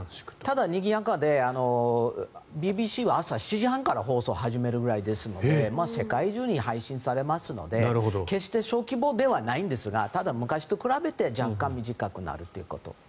ただ、にぎやかでＢＢＣは朝７時半から放送を始めるくらいですので世界中に配信されますので決して小規模ではないんですがただ、昔と比べて若干、短くなるということ。